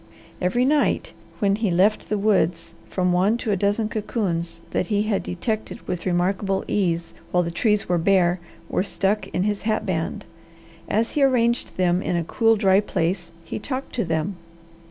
Every night when he left the woods from one to a dozen cocoons, that he had detected with remarkable ease while the trees were bare, were stuck in his hat band. As he arranged them in a cool, dry place he talked to them.